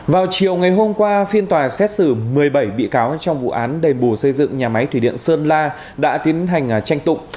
vào chiều ngày hôm qua phiên tòa xét xử một mươi bảy bị cáo trong vụ án đền bù xây dựng nhà máy thủy điện sơn la đã tiến hành tranh tụng